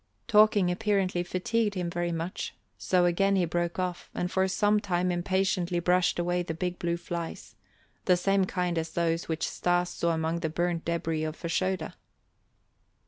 Talking apparently fatigued him very much, so he again broke off and for some time impatiently brushed away the big blue flies; the same kind as those which Stas saw among the burnt débris of Fashoda.